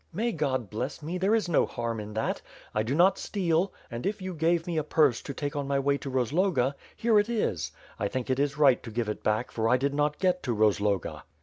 "May God bless me, there is no harm in that. I do not steal, and if you gave me a purse to take on my way to Roz loga, here it is. I think it is right to give it back, for I did not get to Rozloga."